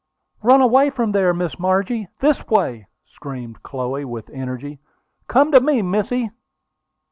"Run away from there, Miss Margie! This way!" screamed Chloe, with energy. "Come to me, missy!"